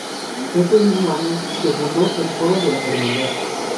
Este mismo año se fundó el coro de la Hermandad.